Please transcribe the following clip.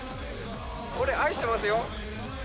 俺、愛してますよ。